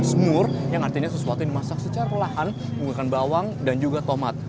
smur yang artinya sesuatu yang dimasak secara perlahan menggunakan bawang dan juga tomat